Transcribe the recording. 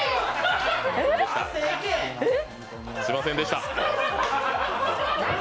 すいませんでした。